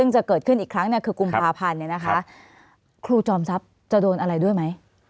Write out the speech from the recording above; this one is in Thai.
ซึ่งจะเกิดขึ้นอีกครั้งคือกุมภาพันธ์เนี่ยนะคะครูจอมทรัพย์จะโดนอะไรด้วยไหม